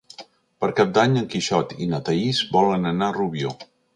Per Cap d'Any en Quixot i na Thaís volen anar a Rubió.